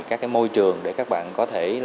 các cái môi trường để các bạn có thể